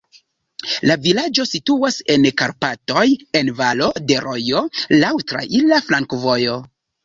La vilaĝo situas en Karpatoj en valo de rojo, laŭ traira flankovojo.